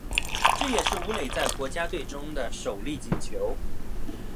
这也是武磊在国家队中的首粒进球。